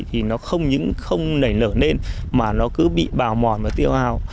thì nó không những không nảy nở lên mà nó cứ bị bào mòn và tiêu hào